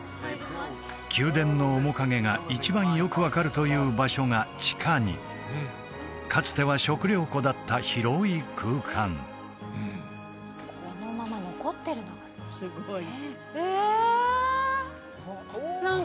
宮殿の面影が一番よく分かるという場所が地下にかつては食糧庫だった広い空間ええ！